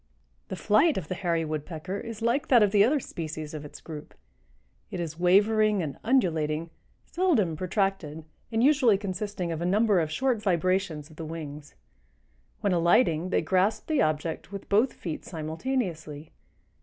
The flight of the Hairy Woodpecker is like that of the other species of its group. It is wavering and undulating, seldom protracted and usually consisting of a number of short vibrations of the wings. When alighting, they grasp the object with both feet simultaneously.